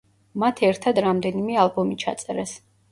მათ ერთად რამდენიმე ალბომი ჩაწერეს.